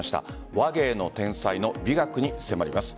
話芸の天才の美学に迫ります。